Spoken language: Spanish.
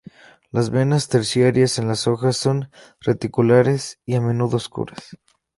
Las venas terciarias en las hojas son reticulares y, a menudo oscuras.